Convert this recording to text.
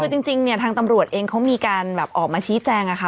คือจริงเนี่ยทางตำรวจเองเขามีการแบบออกมาชี้แจงค่ะ